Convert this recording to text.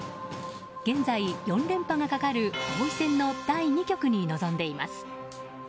現在、４連覇がかかる王位戦の第２局に臨んでいます。